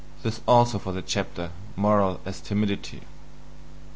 This also for the chapter: "Morals as Timidity."